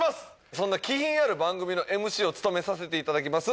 そんな気品ある番組のＭＣを務めさせていただきます